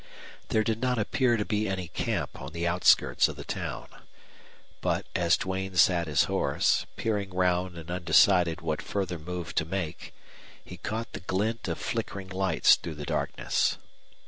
There did not appear to be any camp on the outskirts of the town. But as Duane sat his horse, peering around and undecided what further move to make, he caught the glint of flickering lights through the darkness.